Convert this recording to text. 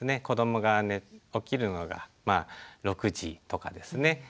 子どもが起きるのが６時とかですね